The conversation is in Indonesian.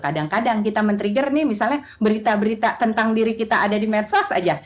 kadang kadang kita men trigger nih misalnya berita berita tentang diri kita ada di medsos aja